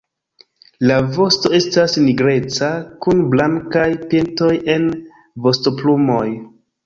La vosto estas nigreca kun blankaj pintoj en vostoplumoj.